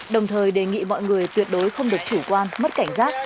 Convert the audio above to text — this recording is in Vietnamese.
đồng thời đề nghị mọi người tuyệt đối không được chủ quan mất cảnh giác